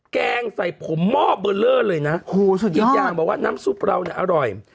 แกงใส่ผมหม้อเบอร์เลอร์เลยนะอีกอย่างบอกว่าน้ำซุปเราเนี่ยอร่อย